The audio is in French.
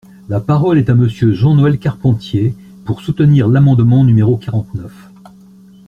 La parole est à Monsieur Jean-Noël Carpentier, pour soutenir l’amendement numéro quarante-neuf.